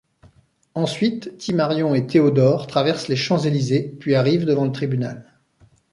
Ensuite Timarion et Théodore traversent les Champs Élysées, puis arrivent devant le tribunal.